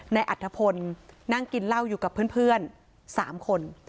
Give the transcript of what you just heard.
อัธพลนั่งกินเหล้าอยู่กับเพื่อน๓คน